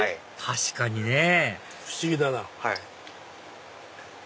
確かにね不思議だなぁ。